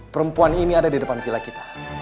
perempuan ini ada di depan vila kita